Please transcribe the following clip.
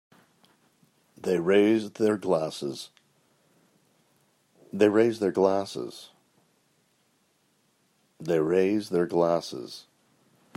They raise their glasses.